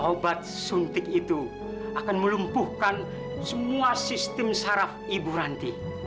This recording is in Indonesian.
obat suntik itu akan melumpuhkan semua sistem saraf ibu ranti